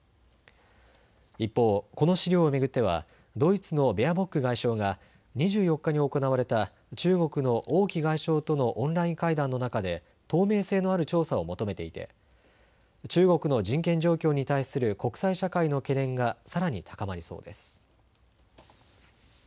一方この資料を巡ってはドイツのベアボック外相が２４日に行われた中国の王毅外相とのオンライン会談の中で透明性のある調査を求めていて、中国の人権状況に対する国際社会の懸念がさらに高まりそうです。